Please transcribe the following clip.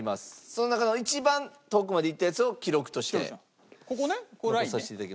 その中の一番遠くまでいったやつを記録として残させて頂きます。